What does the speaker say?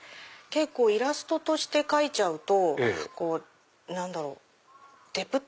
イラストとして描いちゃうと何だろうでぷっと。